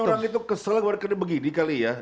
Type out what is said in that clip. mungkin orang itu kesel karena begini kali ya